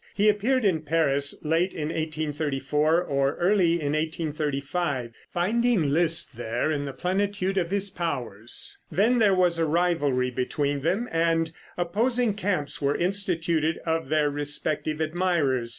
He appeared in Paris late in 1834 or early in 1835, finding Liszt there in the plenitude of his powers. Then there was a rivalry between them, and opposing camps were instituted of their respective admirers.